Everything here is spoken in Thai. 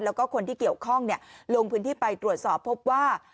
แล้วก็คนที่เกี่ยวข้องลงพื้นที่ไปตรวจสอบพบว่า